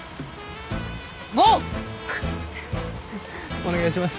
お願いします。